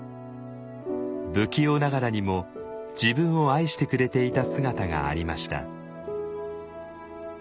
不器用ながらにも自分を愛してくれていた姿がありました。